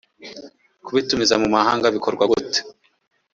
kubitumiza mu mahanga bikorwa gute